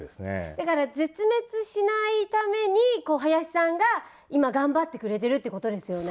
だから絶滅しないために林さんが今頑張ってくれてるってことですよね。